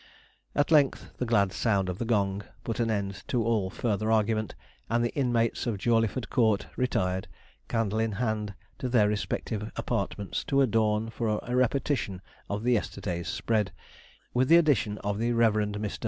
At length the glad sound of the gong put an end to all further argument; and the inmates of Jawleyford Court retired, candle in hand, to their respective apartments, to adorn for a repetition of the yesterday's spread, with the addition of the Rev. Mr.